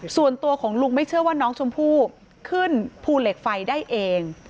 ส่วนตัวของลุงไม่เชื่อว่าน้องชมพู่ขึ้นภูเหล็กไฟได้เอง